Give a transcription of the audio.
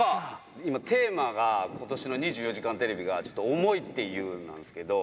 今テーマが、ことしの２４時間テレビが、ちょっと想いっていうのなんですけど。